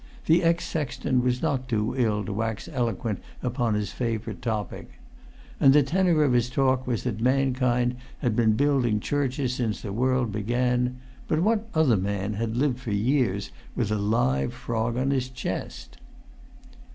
The ex sexton was not too ill to wax eloquent upon his favourite topic. And the tenor of his talk was that mankind had been building churches since the world began, but what other man had lived for years with a live frog on his chest?